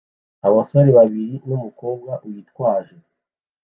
Abasore babiri n’umukobwa witwaje